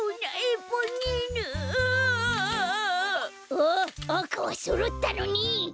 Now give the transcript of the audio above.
あっあかはそろったのに！